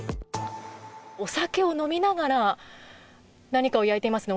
お酒を飲みながら何かを焼いていますね。